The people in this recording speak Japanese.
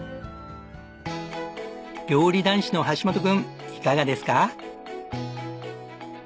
料理男子の橋本くんいかがですか？